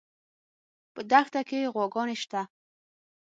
په دښته کې غواګانې شته